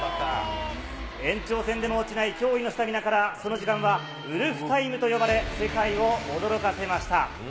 延長戦でも落ちない驚異のスタミナから、その時間はウルフタイムと呼ばれ、世界を驚かせました。